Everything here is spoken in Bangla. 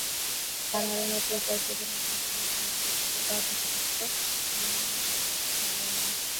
সাধারণত উপাচার্য না থাকলে সহ উপাচার্য বা কোষাধ্যক্ষ দৈনন্দিন কাজ চালিয়ে নেন।